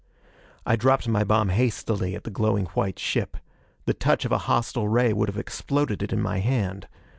I dropped my bomb hastily at the glowing white ship. The touch of a hostile ray would have exploded it in my hand.